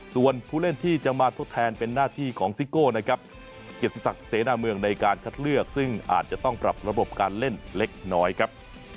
ส่วนผู้เล่นที่จะมาทดแทนเป็นหน้าที่ของซิโก้นะครับเกียรติศักดิ์เสนาเมืองในการคัดเลือกซึ่งอาจจะต้องปรับระบบการเล่นเล็กน้อยครับ